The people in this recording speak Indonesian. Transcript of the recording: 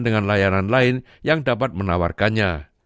dengan layanan lain yang dapat menawarkannya